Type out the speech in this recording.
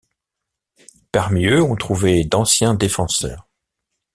Parmi eux, on trouvait d'anciens Défenseurs.